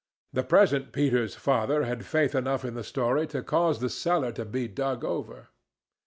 The present Peter's father had faith enough in the story to cause the cellar to be dug over.